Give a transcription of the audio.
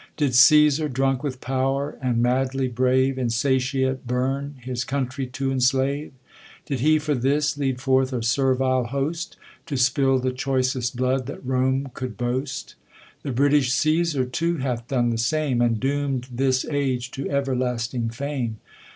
■ Did Cesar, drunk with power, and madly brave ,. Insatiate burn, his country to enslave ? Did he for this, lead forth a servile host To spill the choicest blood that Rome could boast ? The British Cesar too hath done the same, And doom'd this age to everlasting fame.